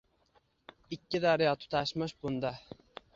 Ikki daryo tutashmish bunda